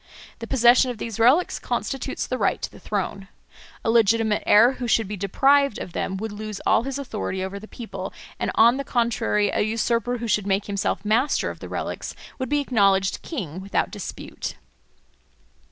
The possession of these relics constitutes the right to the throne. A legitimate heir who should be deprived of them would lose all his authority over the people, and on the contrary a usurper who should make himself master of the relics would be acknowledged king without dispute.